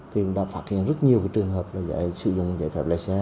thì đã phát hiện rất nhiều trường hợp giấy sử dụng giấy phép lái xe